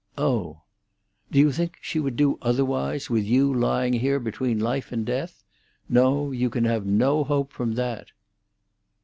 "Oh!" "Do you think she would do otherwise, with you lying here between life and death? No: you can have no hope from that."